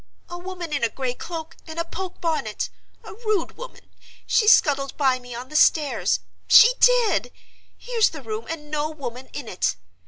"A woman in a gray cloak and a poke bonnet. A rude woman. She scuttled by me on the stairs—she did. Here's the room, and no woman in it.